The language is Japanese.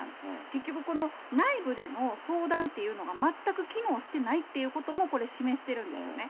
結局この内部での相談っていうのが、全く機能してないっていうことも、これ、示してるんですよね。